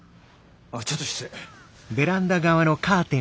ああちょっと失礼。